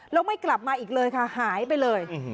แล้วไม่กลับมาอีกเลยค่ะหายไปเลย